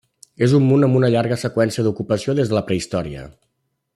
És un munt amb una llarga seqüència d'ocupació des de la prehistòria.